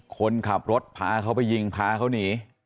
คนขับรถพาเขาไปยิงพาเขาหนี